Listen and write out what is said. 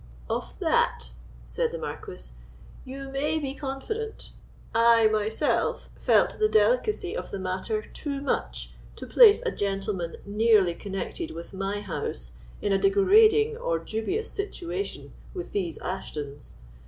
"Of that," said the Marquis, "you may be confident; I myself felt the delicacy of the matter too much to place a gentleman nearly connected with my house in a degrading or dubious situation with these Ashtons.